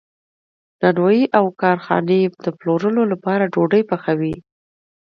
نانوایی او کارخانې د پلورلو لپاره ډوډۍ پخوي.